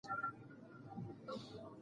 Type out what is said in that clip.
تل د پوهې په رڼا کې ګام واخلئ.